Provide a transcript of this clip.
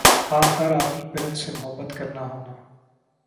ہاں ہَر آدمی پرند سے محبت کرنا ہونا